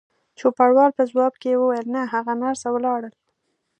چوپړوال په ځواب کې وویل: نه، هغه نرسه ولاړل.